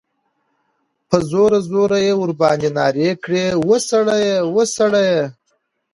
په زوره، زوره ئی ورباندي نارې کړې ، وسړیه! وسړیه!